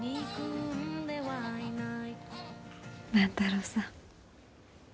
万太郎さん。